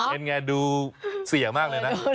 เป็นไงดูเสียมากเลยนะ